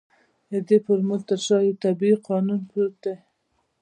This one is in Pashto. د دې فورمول تر شا يو طبيعي قانون پروت دی.